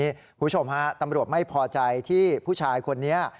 คุณผู้ชมฮะตำรวจไม่พอใจที่ผู้ชายคนนี้